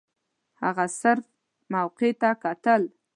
هغه صرف موقع ته کتل.